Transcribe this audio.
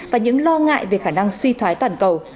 và những lo ngại về khả năng suy thoái toàn cầu